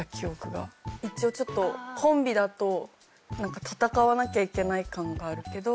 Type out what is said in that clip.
一応コンビだとなんか戦わなきゃいけない感があるけど。